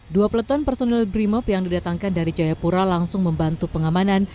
dua peleton personil brimop yang didatangkan dari jayapura langsung membantu pengamanan